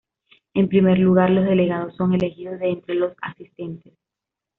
En primer lugar, los delegados son elegidos de entre los asistentes.